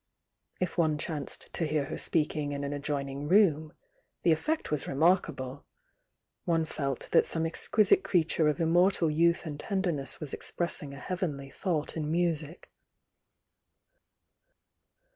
If one chanced to hear her spe^g m an adjoining room, the effect was remarkable,— one felt that some exquisite creature of immortal youth and tenderness waa expressing a heavenly thought in music.